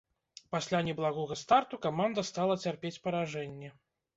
Пасля неблагога старту каманда стала цярпець паражэнні.